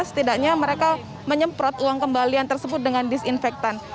setidaknya mereka menyemprot uang kembalian tersebut dengan disinfektan